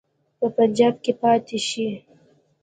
په پنجاب کې پاته شي.